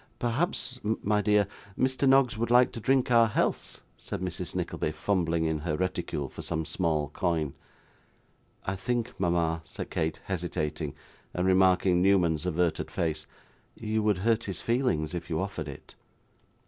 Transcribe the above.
'Perhaps, my dear, Mr. Noggs would like to drink our healths,' said Mrs Nickleby, fumbling in her reticule for some small coin. 'I think, mama,' said Kate hesitating, and remarking Newman's averted face, 'you would hurt his feelings if you offered it.